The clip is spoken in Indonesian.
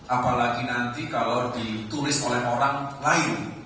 apalagi nanti kalau ditulis oleh orang lain